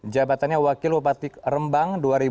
jabatannya wakil bupati rembang